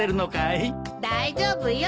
大丈夫よ。